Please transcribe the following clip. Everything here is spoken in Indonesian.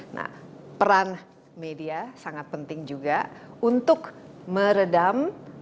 nah peran media sangat penting juga untuk meredam